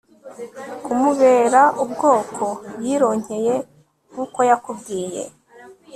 kumubera ubwoko yironkeye nk uko yakubwiye